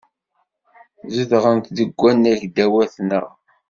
Zedɣent deg wannag ddaw-atneɣ.